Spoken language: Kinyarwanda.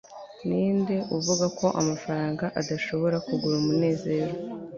ninde uvuga ko amafaranga adashobora kugura umunezero